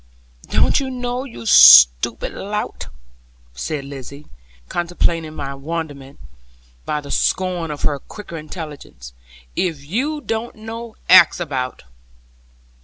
'Don't you know, you stupid lout?' said Lizzie, completing my wonderment, by the scorn of her quicker intelligence; 'if you don't know, axe about?'